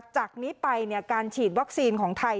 จากนี้ไปการฉีดวัคซีนของไทย